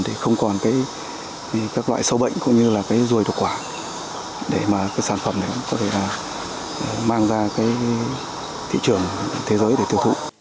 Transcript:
thì không còn các loại sâu bệnh